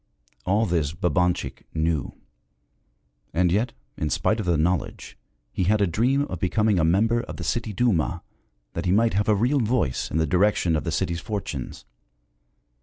All this Babanchik knew. And yet, in spite of the knowledge, he had a dream of becoming a member of the city Duma, that he might have a real voice in the direction of the city's fortunes.